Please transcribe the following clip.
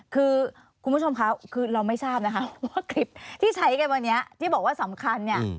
คือคุณผู้ชมคะคือเราไม่ทราบนะคะว่าคลิปที่ใช้กันวันนี้ที่บอกว่าสำคัญเนี่ย